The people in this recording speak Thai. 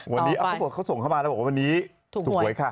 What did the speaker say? วันนี้เขาบอกเขาส่งเข้ามาแล้วบอกว่าวันนี้ถูกหวยค่ะ